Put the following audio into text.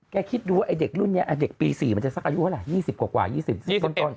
คิดดูว่าไอ้เด็กรุ่นนี้เด็กปี๔มันจะสักอายุเท่าไหร่๒๐กว่า๒๐ต้น